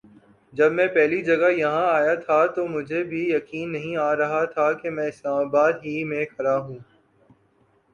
جب میں پہلی جگہ یہاں آیا تھا تو مجھے بھی یقین نہیں آ رہا تھا کہ میں اسلام آباد ہی میں کھڑا ہوں ۔